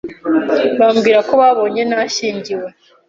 bambwira ko babonye nashyingiwe